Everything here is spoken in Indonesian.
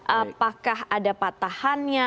apakah ada patahannya